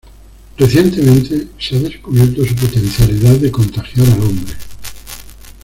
Recientemente se ha descubierto su potencialidad de contagiar al hombre.